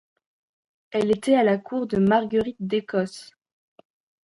Elle était à la cour de Marguerite d'Écosse.